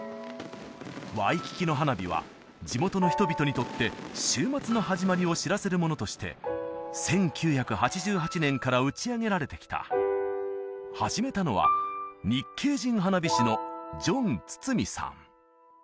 ワイキキの花火は地元の人々にとって週末の始まりを知らせるものとして１９８８年から打ち上げられてきた始めたのは日系人花火師のジョン・ツツミさん